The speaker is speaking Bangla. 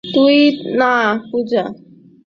তাই না পূজা?